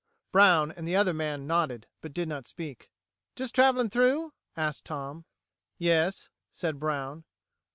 Brown and the other man nodded, but did not speak. "Just traveling through?" asked Tom. "Yes," said Brown.